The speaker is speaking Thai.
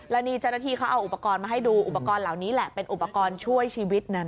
แล้วนี่เจ้าหน้าที่เขาเอาอุปกรณ์มาให้ดูอุปกรณ์เหล่านี้แหละเป็นอุปกรณ์ช่วยชีวิตนั้น